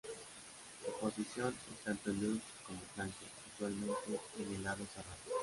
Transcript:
Su posición es tanto lock como flanker, usualmente en el lado cerrado.